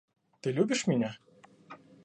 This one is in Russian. Ты любишь меня?